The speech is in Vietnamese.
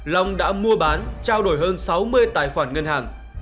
long đã mua bán trao đổi hơn sáu mươi tài khoản ngân hàng